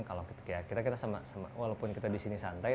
kalau kita sama sama walaupun kita di sini santai